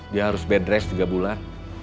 dia harus bed rest tiga bulan